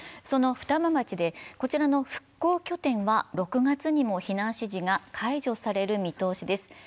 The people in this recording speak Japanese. その双葉町でこちらの復興拠点は６月にも避難指示が解除される見通しです。